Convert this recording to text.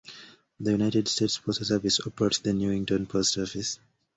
The United States Postal Service operates the Newington Post Office.